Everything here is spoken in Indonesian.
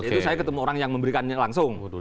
itu saya ketemu orang yang memberikannya langsung